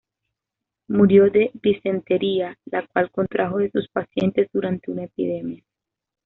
Murió de disentería, la cual contrajo de sus pacientes durante una epidemia.